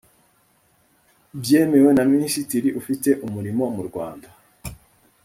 byemewe na minisitiri ufite umurimo mu rwanda